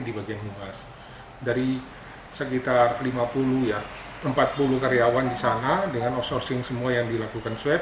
di bagian humas dari sekitar lima puluh ya empat puluh karyawan di sana dengan outsourcing semua yang dilakukan swab